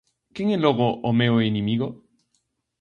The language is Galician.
Quen é logo o meu inimigo?